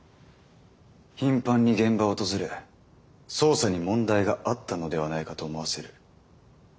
頻繁に現場を訪れ捜査に問題があったのではないかと思わせる餌をまいた。